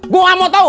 gua ngga mau tau